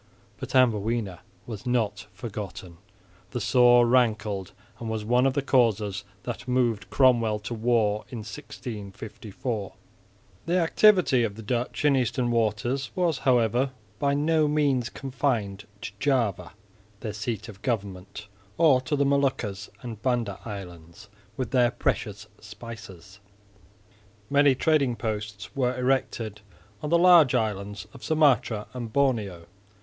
But Amboina was not forgotten; the sore rankled and was one of the causes that moved Cromwell to war in 1654. The activity of the Dutch in eastern waters was, however, by no means confined to Java, their seat of government, or to the Moluccas and Banda islands with their precious spices. Many trading posts were erected on the large islands of Sumatra and Borneo.